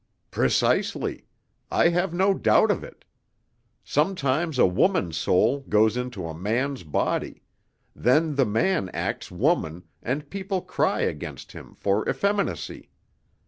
"Precisely: I have no doubt of it. Sometimes a woman's soul goes into a man's body; then the man acts woman, and people cry against him for effeminacy.